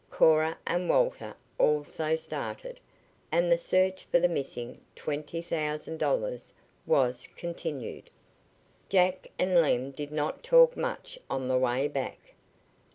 Cora and Walter also started, and the search for the missing twenty thousand dollars was continued. Jack and Lem did not talk much on the way back.